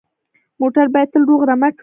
موټر باید تل روغ رمټ وي.